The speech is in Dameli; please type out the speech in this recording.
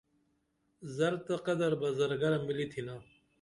زر تہ قدر بہ زرگرہ ملی تھینا